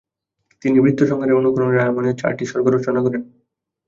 তিনি 'বৃত্রসংহারে'র অনুকরণে রামায়ণের চারটি সর্গ রচনা করেন।